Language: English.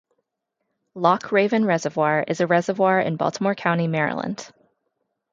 Loch Raven Reservoir is a reservoir in Baltimore County, Maryland.